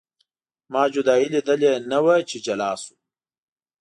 ما جدایي لیدلې نه وه چې جلا شو.